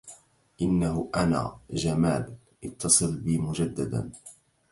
إنه أنا، جمال. اتصل بي مجددا.